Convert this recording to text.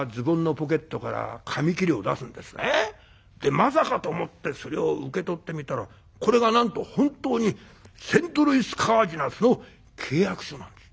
まさかと思ってそれを受け取ってみたらこれがなんと本当にセントルイス・カージナルスの契約書なんです。